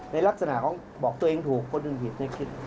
ในลักษณะบอกตัวเองถูกคนอื่นผิด